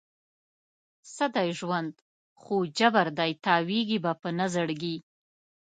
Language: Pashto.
څه دی ژوند؟ خو جبر دی، تاویږې به په نه زړګي